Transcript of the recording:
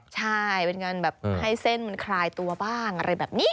ใช่เป็นการแบบให้เส้นมันคลายตัวบ้างอะไรแบบนี้